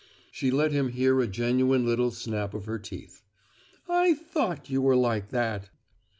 She let him hear a genuine little snap of her teeth. "I thought you were like that!"